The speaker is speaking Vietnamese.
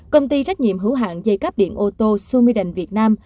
công ty trách nhiệm hữu hạng dây cáp điện ô tô sumidang việt nam